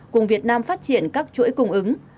cùng việt nam phát triển các chuỗi cung ứng